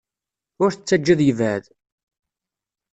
Ur t-ttajja ad yebɛed.